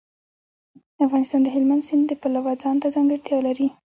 افغانستان د هلمند سیند د پلوه ځانته ځانګړتیا لري.